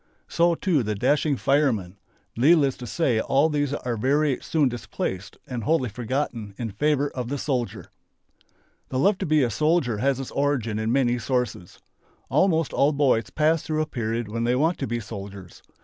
So too the dashing "fireman." Needless to say all these are very soon displaced and wholly forgotten in favour of the "soldier." The love to be a soldier has its origin in many sources. Almost all boys pass through a period when they want to be soldiers.